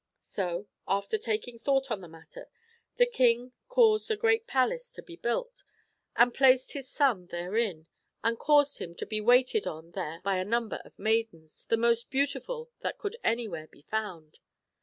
So, after taking thought on the matter, the King caused a great palace to be built, and placed his son therein, and caused him to be waited on there by a number of maidens, the most beautiful that could anvwhere be found.